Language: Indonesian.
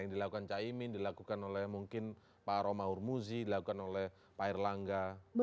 yang dilakukan cahyimin dilakukan oleh mungkin pak romah urmuzi dilakukan oleh pak erlangga